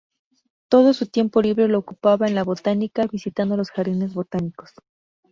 Todo su tiempo libre lo ocupaba en la Botánica, visitando los jardines botánicos.